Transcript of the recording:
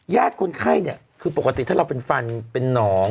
คนไข้เนี่ยคือปกติถ้าเราเป็นฟันเป็นหนอง